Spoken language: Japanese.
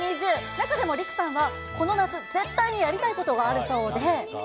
中でもリクさんは、この夏、絶対にやりたいことがあるそうで。